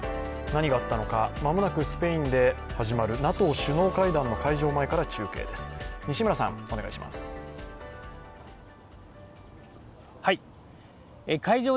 何があったのか、間もなくスペインで始まるＮＡＴＯ首脳会議の会場